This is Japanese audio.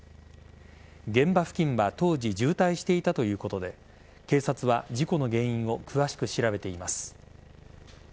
現場付近は当時、渋滞していたということで警察は事故の原因を詳しく調べています。